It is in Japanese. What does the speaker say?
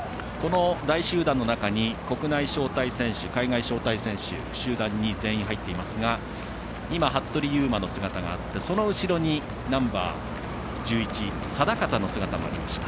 この大集団の中に国内招待選手、海外招待選手が入っていますが服部勇馬の姿があってその後ろにナンバー１１定方の姿もありました。